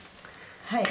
はい。